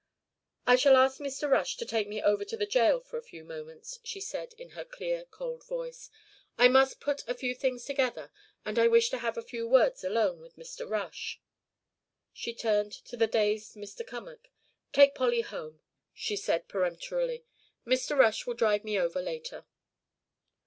"I shall ask Mr. Rush to take me over to the jail for a few moments," she said in her clear cold voice. "I must put a few things together, and I wish to have a few words alone with Mr. Rush." She turned to the dazed Mr. Cummack. "Take Polly home," she said peremptorily. "Mr. Rush will drive me over later."